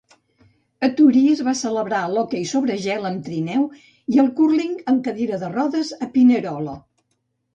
A Torí es va celebrar l'hoquei sobre gel amb trineu i el cúrling amb cadira de rodes a Pinerolo.